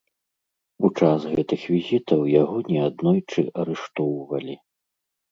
У час гэтых візітаў яго не аднойчы арыштоўвалі.